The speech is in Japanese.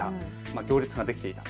行列ができていた。